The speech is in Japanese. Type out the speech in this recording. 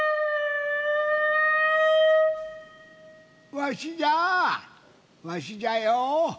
わしじゃわしじゃよ